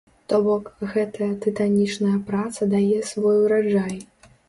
То бок, гэтая тытанічная праца дае свой ураджай.